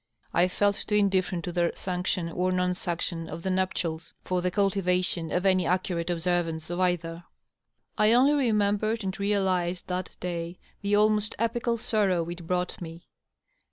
I felt too indifferent to their sanction or non sanction of the nuptials for the cultivation of any accurate ob servance of either. I only remembered and realized, that day, the almost epical sorrow it brought me.